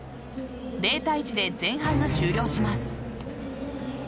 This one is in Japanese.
０対１で前半が終了します。